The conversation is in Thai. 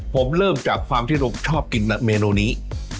ผมเริ่มจากความที่เราชอบกินเมนูนี้